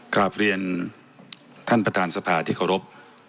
กราบเรียนท่านประธานสภาที่ขอรบ